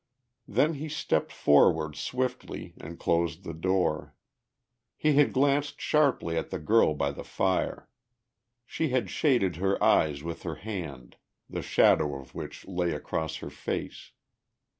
Then he stepped forward swiftly and closed the door. He had glanced sharply at the girl by the fire; she had shaded her eyes with her hand, the shadow of which lay across her face.